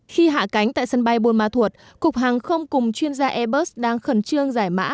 khi hạ cánh tại sân bay buôn ma thuột cục hàng không cùng chuyên gia airbus đang khẩn trương giải mã